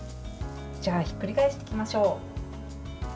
じゃあひっくり返していきましょう。